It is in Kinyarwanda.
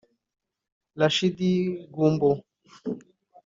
Rashid Gumbo